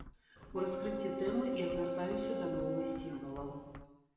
У раскрыцці тэмы я звяртаюся да мовы сімвалаў.